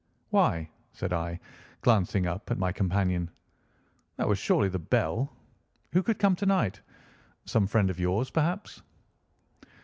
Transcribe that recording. "Why," said I, glancing up at my companion, "that was surely the bell. Who could come to night? Some friend of yours, perhaps?"